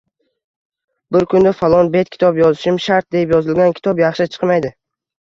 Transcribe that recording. Bir kunda falon bet kitob yozishim shart, deb yozilgan kitob yaxshi chiqmaydi.